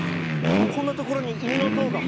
こんなところにいぬのぞうが！